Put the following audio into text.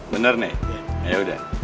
bener nek ayo udah